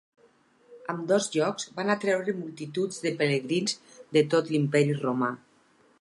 Ambdós llocs van atraure multituds de pelegrins de tot l'Imperi Romà.